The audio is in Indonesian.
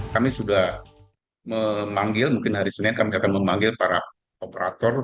kami sudah memanggil mungkin hari senin kami akan memanggil para operator